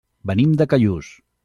Venim de Callús.